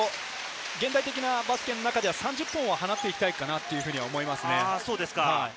現代的なバスケの中では３０本は放っていきたいかなと思いますね。